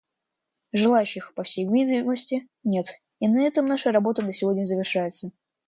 Желающих, по всей видимости, нет, и на этом наша работа на сегодня завершается.